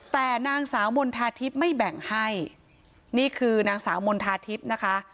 แต่นางสาวมณฑาทิพย์ไม่แบ่งให้นี่คือนางสาวมณฑาทิพย์นะคะ